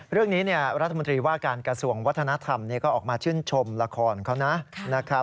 เรื่องนี้รัฐมนตรีว่าการกระทรวงวัฒนธรรมก็ออกมาชื่นชมละครเขานะ